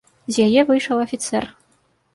З яе выйшаў афіцэр.